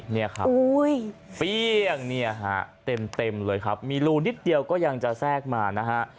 เนี่ยครับเปรี้ยงเนี่ยฮะเต็มเลยครับมีรูนิดเดียวก็ยังจะแทรกมานะฮะ